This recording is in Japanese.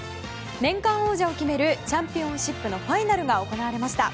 年間王者を決めるチャンピオンシップのファイナルが行われました。